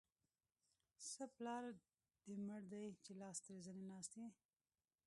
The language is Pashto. څه پلار دې مړ دی؛ چې لاس تر زنې ناست يې.